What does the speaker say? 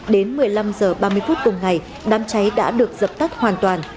đến một mươi năm h ba mươi phút cùng ngày đám cháy đã được dập tắt hoàn toàn